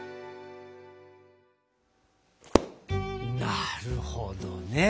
なるほどね！